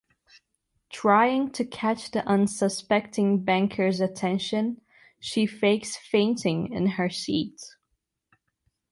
Trying to catch the unsuspecting banker's attention she fakes fainting in her seat.